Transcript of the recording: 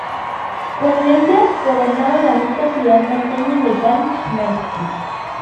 Por herencia gobernaba la rica ciudad norteña de Gálich-Merski.